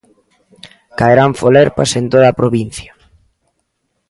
Caerán folerpas en toda a provincia.